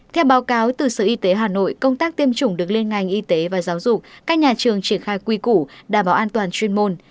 theo báo cáo từ sở y tế hà nội công tác tiêm chủng được liên ngành y tế và giáo dục các nhà trường triển khai quy củ đảm bảo an toàn chuyên môn